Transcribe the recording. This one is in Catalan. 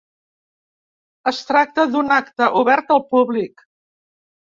Es tracta d´un acte obert al públic.